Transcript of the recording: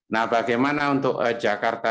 nah bagaimana untuk jakarta